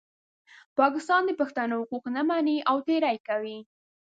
پاکستان د پښتنو حقوق نه مني او تېری کوي.